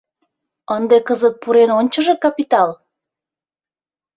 Ынде кызыт пурен ончыжо капитал!..